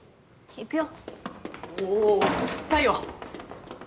行くよ。